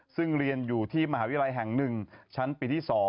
ซึ่งเรียนอยู่ที่มหาวิทยาลัยแห่ง๑ชั้นปีที่๒